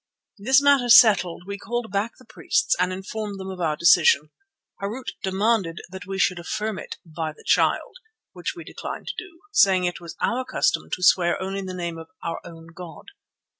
This matter settled, we called back the priests and informed them of our decision. Harût demanded that we should affirm it "by the Child," which we declined to do, saying that it was our custom to swear only in the name of our own God.